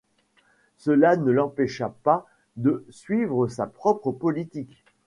Cela ne l'empécha pas de suivre sa propre politique.